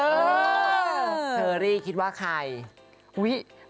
เจอรี่คิดว่าใคร